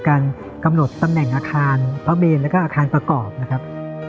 การกำหนดตำแหน่งอาคารพระเมนแล้วก็อาคารประกอบนะครับ